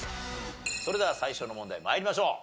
それでは最初の問題参りましょう。